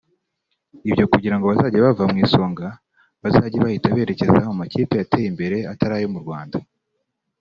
Ibyo kugirango abazajya bava mu Isonga bazajye bahita berekeza mu makipe yateye imbere atari ayo mu Rwanda